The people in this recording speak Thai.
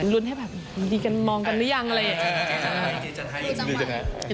รุ้นให้แบบดีกันมองกันหรือยังอะไรอย่างนี้